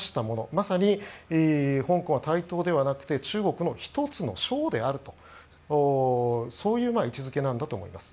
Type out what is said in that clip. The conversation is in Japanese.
まさに香港対等ではなくて１つの省であるとそういう位置づけなんだと思います。